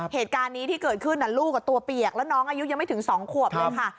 เหตุการณ์นี้ที่เกิดขึ้นลูกตัวเปียกแล้วน้องอายุยังไม่ถึง๒ขวบเลยค่ะ